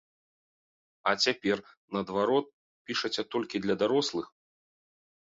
А цяпер, наадварот, пішаце толькі для дарослых?